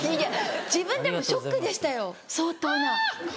自分でもショックでしたよ相当な。